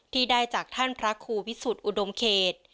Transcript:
ที่ได้จากท่านพระครูวิสุทธิ์อุดมเขต